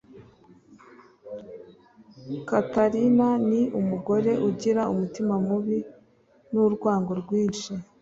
Katarina ni umugore ugira umutima mubi nurwango rwinshi